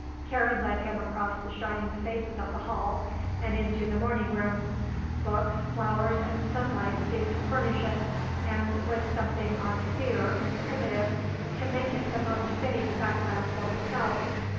Karen led him across the shining spaces of the hall and into the morning room. Books, flowers and sunlight seemed to furnish it, and, with something austere and primitive, to make it the most fitting background for herself.